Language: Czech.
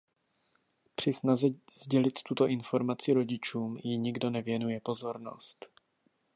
Při snaze sdělit tuto informaci rodičům ji nikdo nevěnuje pozornost.